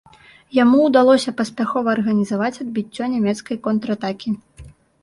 Яму ўдалося паспяхова арганізаваць адбіццё нямецкай контратакі.